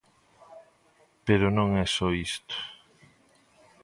Pero non é só isto.